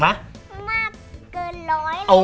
มากเกินร้อยเลย